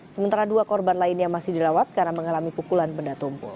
sementara dua korban lainnya masih dirawat karena mengalami pukulan benda tumpul